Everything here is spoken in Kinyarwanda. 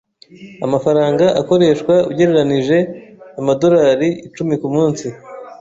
Amafaranga akoreshwa ugereranije amadorari icumi kumunsi.